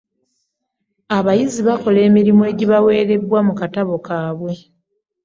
Abayizi bakola emirimu egibaweereddwa mu katabo kaabwe.